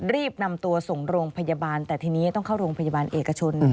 รีบนำตัวส่งโรงพยาบาลแต่ทีนี้ต้องเข้าโรงพยาบาลเอกชน